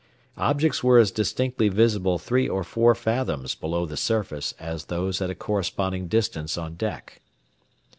Objects were as distinctly visible three or four fathoms below the surface as those at a corresponding distance on deck.